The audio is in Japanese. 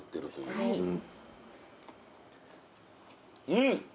うん！